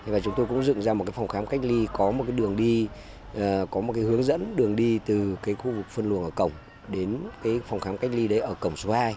và chúng tôi cũng dựng ra một phòng khám cách ly có một hướng dẫn đường đi từ khu vực phân luồng ở cổng đến phòng khám cách ly ở cổng số hai